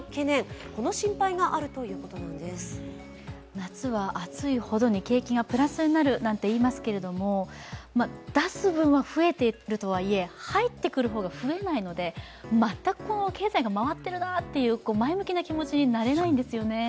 夏は暑いほどに景気がプラスになるといいますけど出す分は増えているとはいえ入ってくる方が増えないので、全く経済が回っているなという前向きな気持ちになれないんですよね。